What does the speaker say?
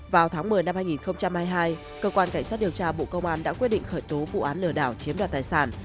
vào tháng một mươi năm hai nghìn hai mươi hai cơ quan cảnh sát điều tra bộ công an đã quyết định khởi tố vụ án lừa đảo chiếm đoạt tài sản